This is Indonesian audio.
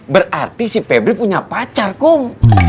berarti si pebri punya pacar kok